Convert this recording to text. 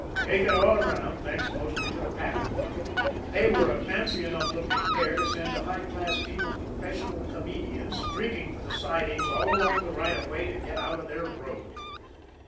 Take it all around, thanks mostly to the packing bucket, they were a fancy enough looking pair to send a high class team of professional comedians streaking for the sidings all along the right of way to get out of their road.